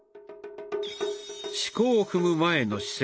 四股を踏む前の姿勢